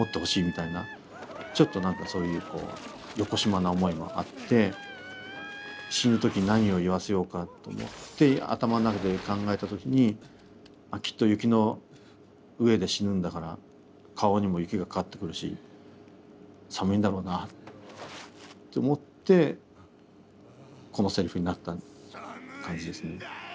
ちょっと何かそういうこうよこしまな思いもあって死ぬ時に何を言わせようかと思って頭の中で考えた時にあっきっと雪の上で死ぬんだから顔にも雪がかかってくるし寒いんだろうなって思ってこのセリフになった感じですね。